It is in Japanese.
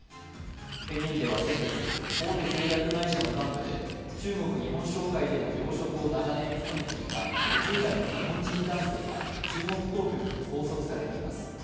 北京では先月、大手製薬会社の幹部で中国日本商会でも要職を長年務めていた５０代の日本人男性が中国当局に拘束されています。